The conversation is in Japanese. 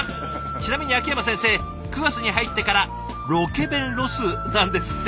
ちなみに秋山先生９月に入ってからロケ弁ロスなんですって。